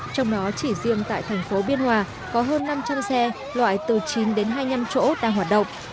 trong đó chỉ riêng tại thành phố biên hòa có hơn năm trăm linh xe loại từ chín đến hai mươi năm chỗ đang hoạt động